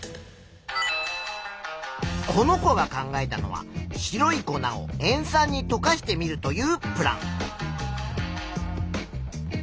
この子が考えたのは白い粉を塩酸にとかしてみるというプラン。